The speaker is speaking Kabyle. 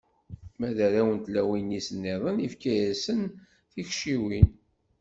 Ma d arraw n tlawin-is-nniḍen, ifka-asen tikciwin.